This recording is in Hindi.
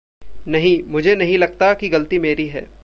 नहीं, मुझे नहीं लगता कि ग़लती मेरी है।